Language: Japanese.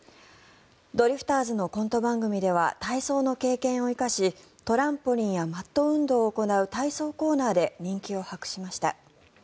ドリフターズのコント番組では体操の経験を活かしトランポリンやマット運動を行う体操コーナーで人気を博しました。